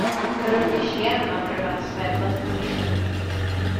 Rovněž já mám pro vás své vlastní myšlenky.